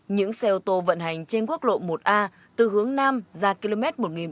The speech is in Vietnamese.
những xe ô tô vận hành trên quốc lộ một a từ hướng nam ra km một nghìn bốn trăm hai mươi một hai trăm năm mươi